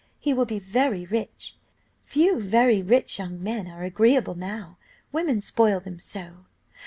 He will be very rich. Few very rich young men are agreeable now, women spoil them so.